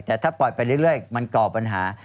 แต่ถ้าปล่อยไปเรื่อยมันก่อปัญหา